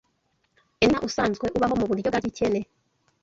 Penina usanzwe ubaho mu buryo bwa gikene